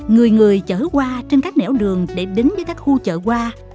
người người chở hoa trên các nẻo đường để đến với các khu chợ hoa